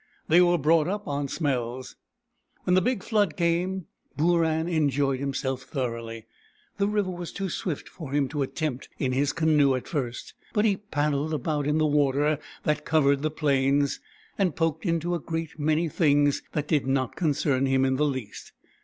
They were brought up on smells. Wlien the big flood came, Booran enjoyed him self thoroughly. The river was too swift for him to attempt in his canoe at first, but he paddled about in the water that covered the plains, and poked into a great many things that did not con cern him in the least.